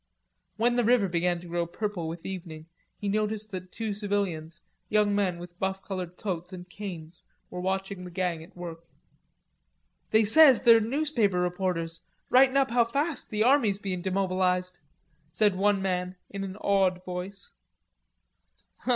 When the river began to grow purple with evening, he noticed that two civilians, young men with buff colored coats and canes, were watching the gang at work. "They says they's newspaper reporters, writing up how fast the army's being demobilized," said one man in an awed voice.